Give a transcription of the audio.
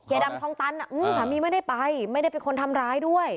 ดำคลองตันสามีไม่ได้ไปไม่ได้เป็นคนทำร้ายด้วย